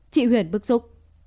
chị huyền bức xúc